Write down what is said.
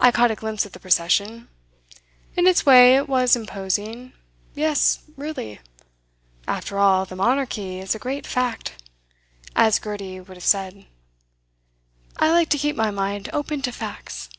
I caught a glimpse of the procession. In its way it was imposing yes, really. After all, the Monarchy is a great fact as Gurty would have said. I like to keep my mind open to facts.